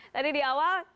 tadi di awal